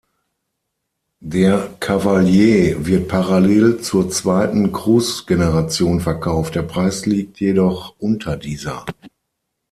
Der Cavalier wird parallel zur zweiten Cruze-Generation verkauft, der Preis liegt jedoch unter dieser.